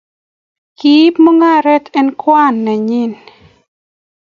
kiip mungaret eng kwaan nenyi